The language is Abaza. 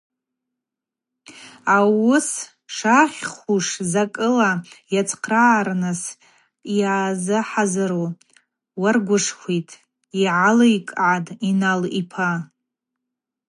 Ауыс шагъьхуш закӏыла йацхърагӏарныс йъазыхӏазыру уаргвышхвитӏ, – йгӏалылкӏгӏатӏ Инал-ипа.